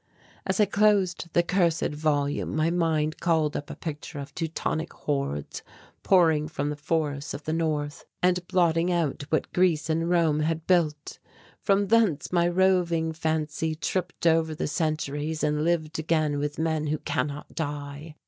As I closed the cursed volume my mind called up a picture of Teutonic hordes pouring from the forests of the North and blotting out what Greece and Rome had builded. From thence my roving fancy tripped over the centuries and lived again with men who cannot die.